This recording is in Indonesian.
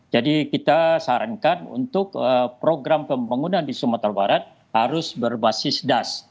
jadi kita sarankan untuk program pembangunan di sumatera barat harus berbasis das